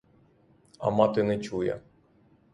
А мати не чує.